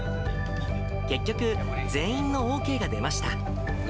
結局、全員のＯＫが出ました。